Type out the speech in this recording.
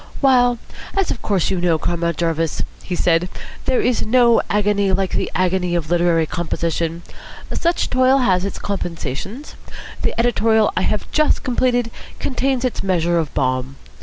"While, as of course you know, Comrade Jarvis," he said, "there is no agony like the agony of literary composition, such toil has its compensations. The editorial I have just completed contains its measure of balm.